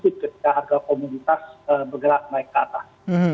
ketika harga komoditas bergerak naik ke atas